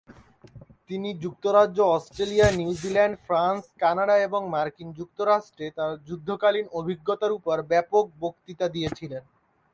তিনি যুক্তরাজ্য, Australia, New Zealand, France, Canada এবং মার্কিন যুক্তরাষ্ট্রে তার যুদ্ধকালীন অভিজ্ঞতার উপর ব্যাপক বক্তৃতা দিয়েছিলেন।